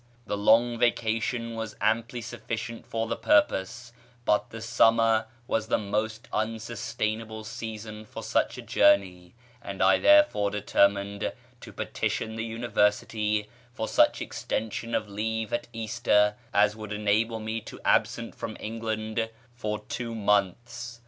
The Long Vacation was amply sufficient for the purpose, but the summer was the most unsuitable season for such a journey, and I therefore determined to petition the University for such extension of leave at Easter as would enable me to absent from England for two months.